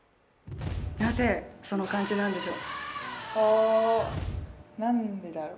なぜその漢字なんでしょう？